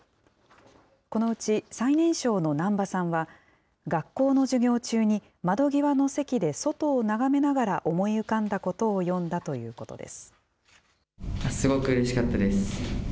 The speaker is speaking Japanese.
このうち最年少の難波さんは、学校の授業中に窓際の席で外を眺めながら思い浮かんだことを詠んだということです。